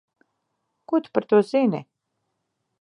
Ko tu par to zini?